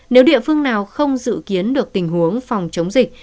nếu địa phương nào không dự kiến được tình huống phòng chống dịch